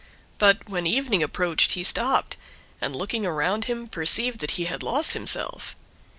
But when evening approached he stopped, and looking around him perceived that he had lost himself.